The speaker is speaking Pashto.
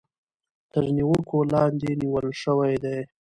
تر نېوکې لاندې نيول شوي دي.